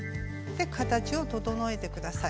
形を整えて下さい。